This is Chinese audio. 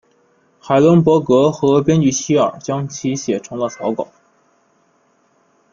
海伦伯格和编剧希尔将其写成了草稿。